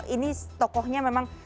ini tokohnya memang